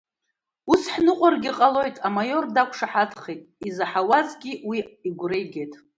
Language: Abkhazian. Ус ҳныҟәаргьы ҟалоит, амаиор дақәшаҳаҭхеит, изаҳауазгьы уи игәра игеит.